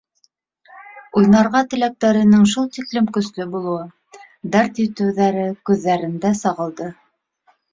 Уйнарға теләктәренең шул тиклем көслө булыуы, дәрт итеүҙәре күҙҙәрендә сағылды.